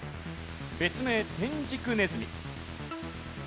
別名テンジクネズミ。